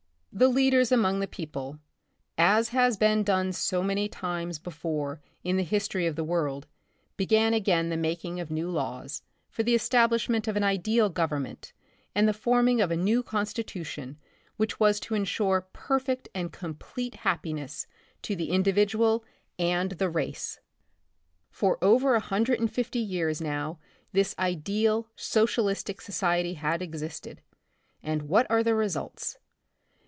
The leaders among the people, as has been done so many times before in the history of . the world, began again the making of new laws, for the establishment of an ideal government and the forming of a new constitution which was to insure perfect and complete happiness to the individual and the race. 56 The Republic of the Future. For over a hundred and fifty years, now, this ideal socialistic society had existed, and what are the results?